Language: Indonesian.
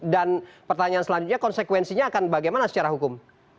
dan pertanyaan selanjutnya konsekuensinya akan bagaimana secara hukum